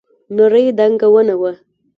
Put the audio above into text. نرۍ دنګه ونه وه.